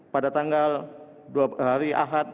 pada tanggal hari ahad